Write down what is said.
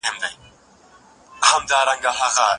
يو شاعر لکه قلم درپسې ژاړي